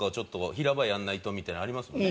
平場やんないとみたいなのありますもんね。